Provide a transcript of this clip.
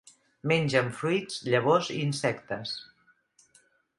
Mengen fruits, llavors i insectes.